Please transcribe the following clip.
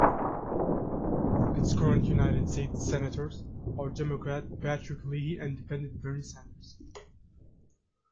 Its current United States Senators are Democrat Patrick Leahy and Independent Bernie Sanders.